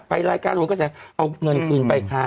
รายการโหนกระแสเอาเงินคืนไปค่ะ